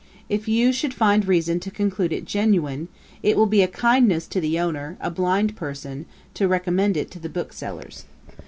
If you should find reason to conclude it genuine, it will be a kindness to the owner, a blind person, to recommend it to the booksellers.